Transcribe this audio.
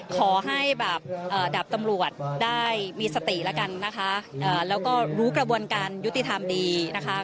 ขอให้แบบดาบตำรวจได้มีสติแล้วกันนะคะแล้วก็รู้กระบวนการยุติธรรมดีนะคะ